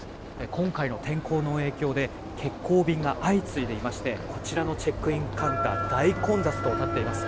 今回の天候の影響で欠航便が相次いでいましてこちらのチェックインカウンター大混雑となっています。